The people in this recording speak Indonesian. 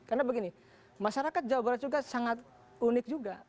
karena begini masyarakat jawa barat juga sangat unik juga